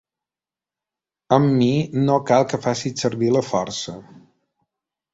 Amb mi no cal que facis servir la força.